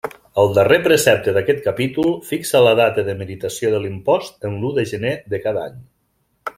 El darrer precepte d'aquest capítol fixa la data de meritació de l'impost en l'u de gener de cada any.